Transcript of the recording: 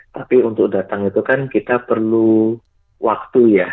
tapi untuk datang itu kan kita perlu waktu ya